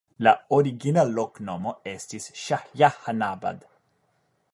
La origina loknomo estis Ŝahjahanabad.